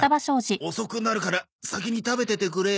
遅くなるから先に食べててくれよ。